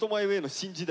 新時代！